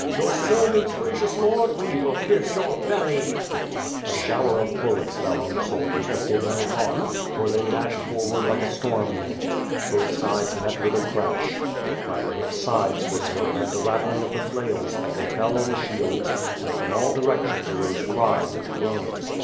Your servants, gracious Lord, we will pierce your belly!" WITH FIRE AND SWORD, 341 A shower of buUeis fell on the soldiers but did no harm, for th ey dashed forward like a storm wind. Both sides met with a crash. The clattering of scythes was heard and the rattling of the flails, as they fell on the shields, and from all directions arose cries and groans.